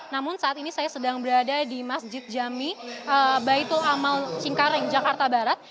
namun saat ini saya sedang berada di masjid jami baitul amal cengkareng jakarta barat